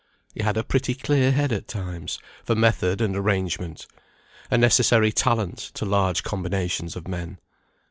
He had a pretty clear head at times, for method and arrangement; a necessary talent to large combinations of men.